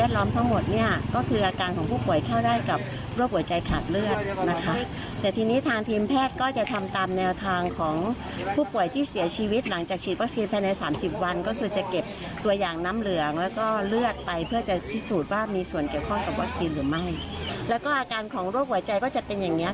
ต่างจากอาการเจ็บแป๊บทางจากคอเราขึ้นขางเป็นอาการที่เฉพาะมากของโรคหัวใจนะครับ